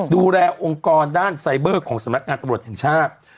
องค์กรด้านไซเบอร์ของสำนักงานตำรวจแห่งชาติ